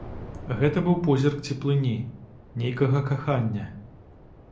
Гэта быў позірк цеплыні, нейкага кахання.